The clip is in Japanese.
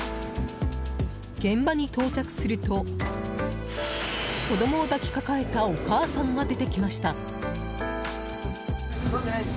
現場に到着すると子供を抱きかかえたお母さんが出てきました。